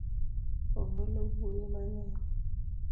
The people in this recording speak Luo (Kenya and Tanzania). Omolo wuoyo mang'eny.